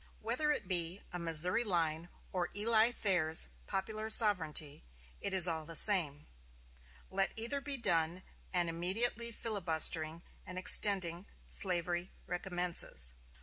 Whether it be a Missouri line or Eli Thayer's popular sovereignty, it is all the same. Let either be done, and immediately filibustering and extending slavery recommences.